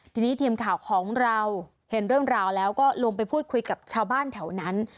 ทีนี้ทีมข่าวของเราเห็นเรื่องราวแล้วก็ลงไปพูดคุยกับชาวบ้านแถวนั้น